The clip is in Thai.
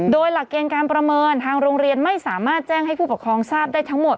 โดยหลักเกณฑ์การประเมินทางโรงเรียนไม่สามารถแจ้งให้ผู้ปกครองทราบได้ทั้งหมด